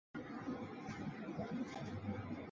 镇治索尔多特纳。